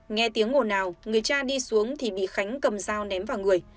nghe tiếng ngồn nào người cha đi xuống thì bị khánh cầm dao ném vào người